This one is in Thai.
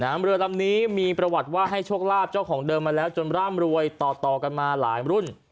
เรือลำนี้มีประวัติว่าให้โชคลาภเจ้าของเดิมมาแล้วจนร่ำรวยต่อต่อกันมาหลายรุ่น